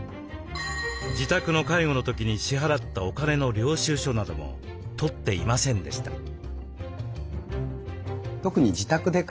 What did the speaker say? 自宅の介護の時に支払ったお金の領収書なども取っていませんでした。